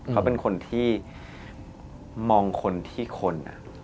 เขาเป็นคนที่มองคนที่คน